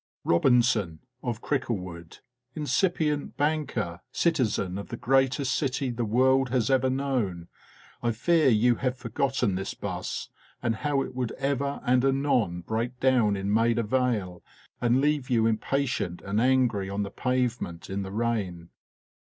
Robinson, of Cricklewood, incipient banker, citizen of the greatest city the world has ever known, I fear you have forgotten this 'bus, and how it would ever and anon break down in Maida Vale, and leave you impatient and angry on the pavement in the rain.